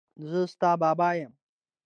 زه ستا بابا یم.